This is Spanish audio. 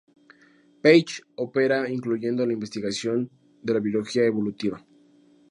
Page opera incluyendo la investigación de la biología evolutiva.